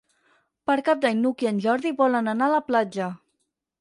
Per Cap d'Any n'Hug i en Jordi volen anar a la platja.